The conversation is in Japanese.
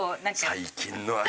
最近のは。